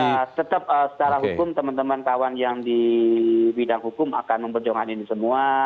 ya tetap secara hukum teman teman kawan yang di bidang hukum akan memperjuangkan ini semua